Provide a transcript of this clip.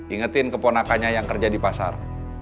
ingetin keponakannya yang kerja di pasar